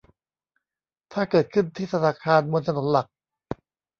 ถ้าเกิดขึ้นที่ธนาคารบนถนนหลัก